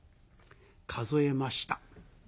数えました。